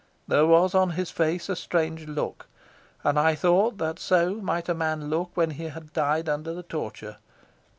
There was on his face a strange look, and I thought that so might a man look when he had died under the torture.